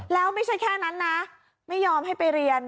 แล้วไม่ใช่แค่นั้นนะไม่ยอมให้ไปเรียน